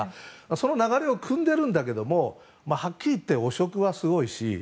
その流れをくんでるんだけどもはっきり言って汚職はすごいし。